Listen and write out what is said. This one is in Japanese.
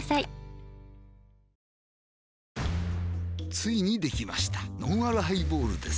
ついにできましたのんあるハイボールです